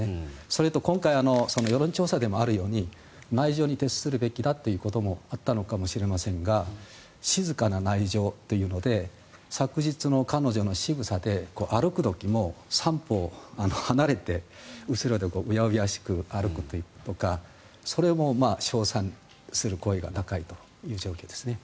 それと今回世論調査でもあるように内助に徹するべきだということもあったのかもしれませんが静かな内助というので昨日の彼女のしぐさで歩く時も３歩離れて後ろでうやうやしく歩くとかそれも称賛する声が高いという状況ですね。